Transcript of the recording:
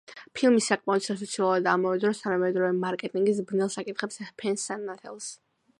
ფილმი საკმაოდ სასაცილოა და ამავე დროს თანამედროვე მარკეტინგის ბნელ საკითხებს ჰფენს ნათელს.